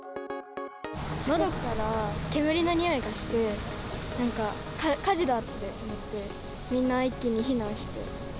窓から煙のにおいがして、なんか、火事だ！って思って、みんな、一気に避難して。